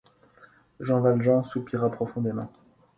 Jean Valjean soupira profondément.